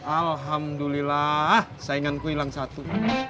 alhamdulillah sainganku hilang satu